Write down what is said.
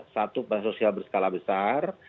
satu sosial berskala besar